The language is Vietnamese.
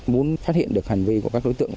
muốn phát hiện được hành vi của các đối tượng